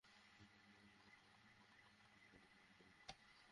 এরপর সেগুলো মাপ অনুসারে সেলাইয়ের মাধ্যমে তৈরি করা হবে সুন্দর ব্যাগ।